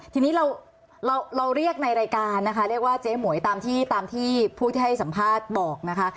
ทีนี้เราเราเรียกในรายการนะคะเรียกว่าเจ๊หมวยตามที่ตามที่ผู้ที่ให้สัมภาษณ์บอกนะคะ